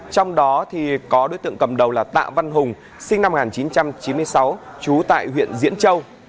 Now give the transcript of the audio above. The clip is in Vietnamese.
trong đó có đối tượng cầm đầu là tạ văn hùng sinh năm một nghìn chín trăm chín mươi sáu trú tại huyện diễn châu